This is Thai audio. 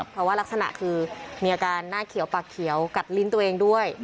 เพราะว่ารักษณะคือมีอาการหน้าเขียวปากเขียวกัดลิ้นตัวเองด้วย